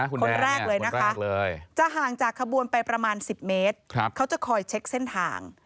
คนแรกเลยนะคะจะห่างจากขบวนไปประมาณ๑๐เมตรเขาจะคอยเช็คเส้นทาง